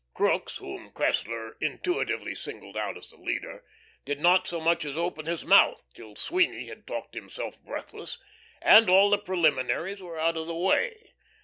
Crookes, whom Cressler intuitively singled out as the leader, did not so much as open his mouth till Sweeny had talked himself breathless, and all the preliminaries were out of the way.